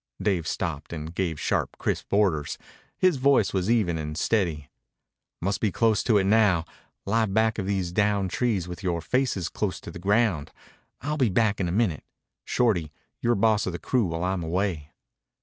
Dave stopped and gave sharp, crisp orders. His voice was even and steady. "Must be close to it now. Lie back of these down trees with your faces close to the ground. I'll be back in a minute. Shorty, you're boss of the crew while I'm away."